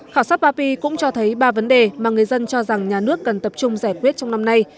khảo sát papi cũng cho thấy ba vấn đề mà người dân cho rằng nhà nước cần tập trung giải quyết trong năm nay